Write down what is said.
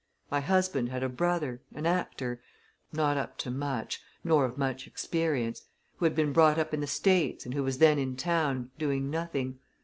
My husband had a brother, an actor not up to much, nor of much experience who had been brought up in the States and who was then in town, doing nothing.